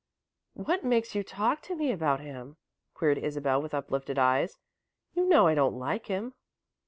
"What makes you talk to me about him?" queried Isabel, with uplifted eyes. "You know I don't like him."